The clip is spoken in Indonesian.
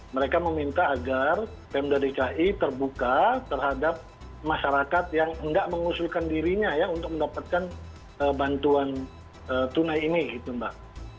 mereka meminta agar pmd dki terbuka terhadap masyarakat yang enggak mengusulkan dirinya ya untuk mendapatkan bantuan tunai ini gitu mbak